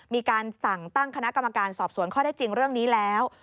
มีการสั่งตั้งคณะกรรมการสอบสวนข้อได้จริงเรื่องนี้แล้ว